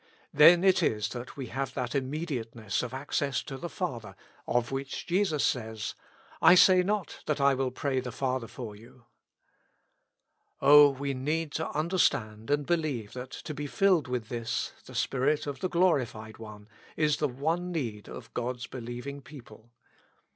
Then it is that we have that immediateness of access to the Father of which Jesus says, " I say not that I will pray the Father for you." Oh ! we need to un derstand and believe that to be filled with this, the Spirit of the glorified One, is the one need of God's believing people.